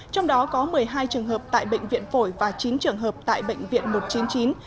trong đó có một mươi hai trường hợp tại bệnh viện phổi và chín trường hợp tại bệnh viện một trăm chín mươi chín